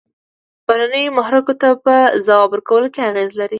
بهرنیو محرکو ته په ځواب ورکولو کې اغیزې لري.